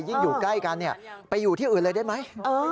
อยู่ใกล้กันไปอยู่ที่อื่นเลยได้ไหม